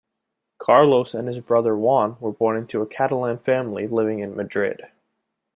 Carlos and his brother Juan were born into a Catalan family living in Madrid.